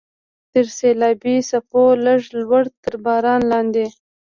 تر سیلابي څپو لږ لوړ، تر باران لاندې.